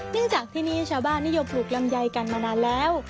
จากที่นี่ชาวบ้านนิยมปลูกลำไยกันมานานแล้ว